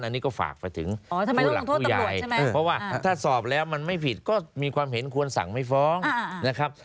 อันนี้ก็ฝากไปถึงผู้หลักผู้ใหญ่เพราะว่าถ้าสอบแล้วมันไม่ผิดก็มีความเห็นควรสั่งไม่ฟ้องนะครับ